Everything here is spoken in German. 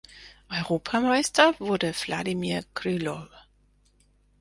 Europameister wurde Wladimir Krylow.